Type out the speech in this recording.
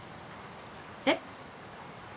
えっ？